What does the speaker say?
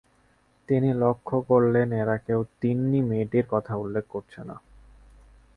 তিনি লক্ষ করলেন, এরা কেউ তিন্নি মেয়েটির উল্লেখ করছে না।